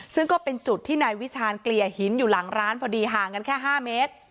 ซึ่งก็เป็นจุดที่นายวิชาณเกลี่ยหินอยู่หลังร้านพอดีห่างกันแค่๕เมตร